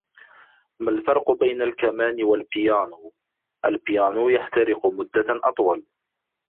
ما الفرق بين الكمان والبيانو ؟ البيانو يحترق مدة أطول.